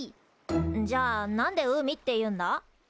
じゃあ何で海っていうんだ？